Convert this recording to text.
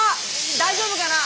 大丈夫かな？